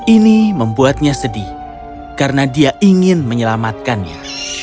ini membuatnya sedih karena dia ingin menyelamatkannya